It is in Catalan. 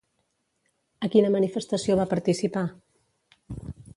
A quina manifestació va participar?